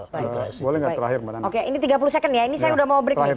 boleh gak terakhir